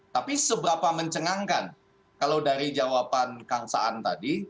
tapi seberapa mencengangkan kalau dari jawaban kang saan tadi